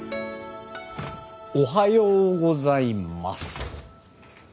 おはようございます。